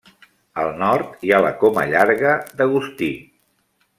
Al nord hi ha la Coma Llarga d'Agustí.